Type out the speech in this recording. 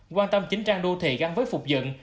quan tâm chính trang đô thị gắn với phục dựng